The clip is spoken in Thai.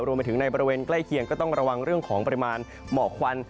รวมไปถึงในบริเวณใกล้เคียงก็ต้องระวังเรื่องของปริมาณหมอกควัน